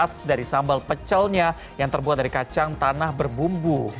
sambal pecelnya yang terbuat dari kacang tanah berbumbu